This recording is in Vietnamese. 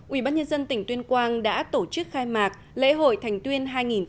ubnd tỉnh tuyên quang đã tổ chức khai mạc lễ hội thành tuyên hai nghìn một mươi bảy